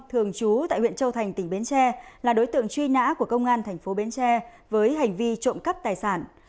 thường chú tại huyện châu thành tỉnh bến tre là đối tượng truy nã của công an tp bến tre với hành vi trộm cắp tài sản